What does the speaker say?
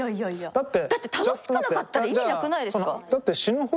だって。